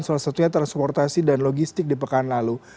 salah satunya transportasi dan logistik di pekan lalu